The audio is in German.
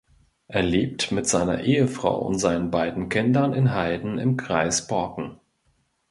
Er lebt mit seiner Ehefrau und seinen beiden Kindern in Heiden im Kreis Borken.